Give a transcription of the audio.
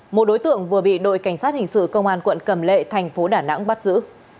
một đối tượng vừa bị đội cảnh sát hình sự công an quận cầm lệ thành phố đà nẵng bắt giữ